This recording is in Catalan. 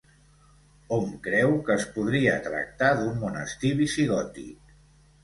Hom creu que es podria tractar d'un monestir visigòtic.